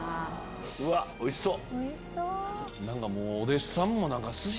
うわっおいしそう！